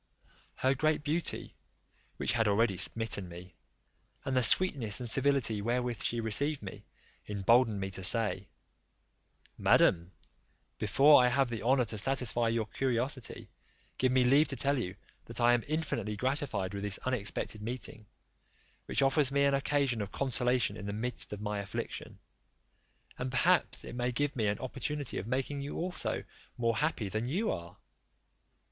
Her great beauty, which had already smitten me, and the sweetness and civility wherewith she received me, emboldened me to say, "Madam, before I have the honour to satisfy your curiosity, give me leave to tell you, that I am infinitely gratified with this unexpected meeting, which offers me an occasion of consolation in the midst of my affliction; and perhaps it may give me an opportunity of making you also more happy than you are."